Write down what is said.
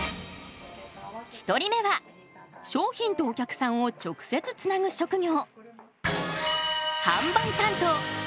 １人目は商品とお客さんを直接つなぐ職業。